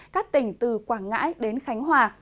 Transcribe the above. cắt tỉnh từ quảng ngãi đến khánh hòa